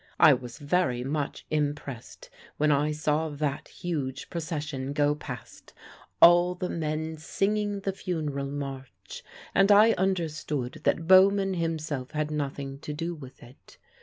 I was very much impressed when I saw that huge procession go past, all the men singing the funeral march, and I understood that Bauman himself had nothing to do with it.